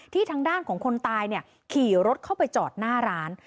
ทางด้านของคนตายขี่รถเข้าไปจอดหน้าร้าน